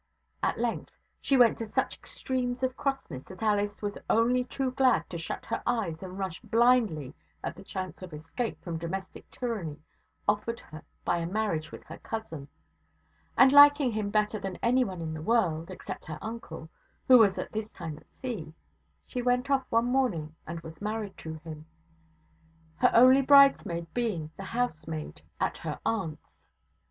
At length she went to such extremes of crossness that Alice was only too glad to shut her eyes and rush blindly at the chance of escape from domestic tyranny offered her by a marriage with her cousin; and, liking him better than any one in the world, except her uncle (who was at this time at sea), she went off one morning and was married to him, her only bridesmaid being the housemaid at her aunt's.